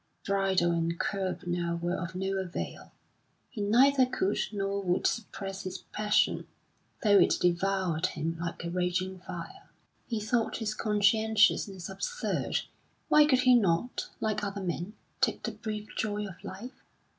Bridle and curb now were of no avail. He neither could nor would suppress his passion, though it devoured him like a raging fire. He thought his conscientiousness absurd. Why could he not, like other men, take the brief joy of life?